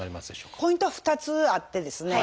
ポイントは２つあってですね